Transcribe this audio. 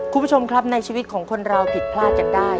คุณผู้ชมครับในชีวิตของคนเราผิดพลาดกันได้